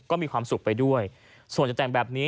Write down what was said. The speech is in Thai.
ก็มีความสุขไปด้วยส่วนจะแต่งแบบนี้